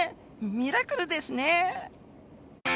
ミラクルですね。